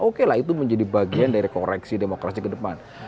oke lah itu menjadi bagian dari koreksi demokrasi ke depan